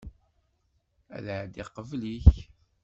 Ad εeddiɣ qbel-ik.